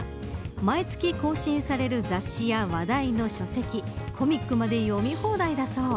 毎月更新される雑誌や話題の書籍コミックまで読み放題だそう。